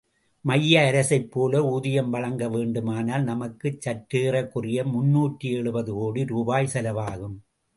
மைய அரசைப்போல ஊதியம் வழங்க வேண்டுமானால் நமக்குச் சற்றேறக்குறைய முன்னூற்று எழுபது கோடி ரூபாய் செலவாகும்.